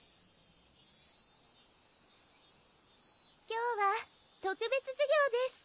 今日は特別授業です。